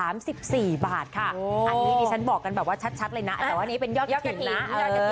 อันนี้ดิฉันบอกกันแบบว่าชัดเลยนะแต่ว่าอันนี้เป็นยอดกะทิยอดกะทิ